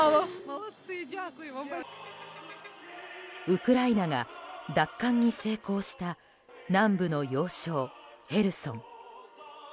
ウクライナが奪還に成功した南部の要衝ヘルソン。